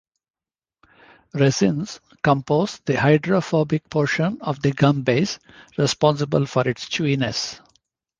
Resins compose the hydrophobic portion of the gum base, responsible for its chewiness.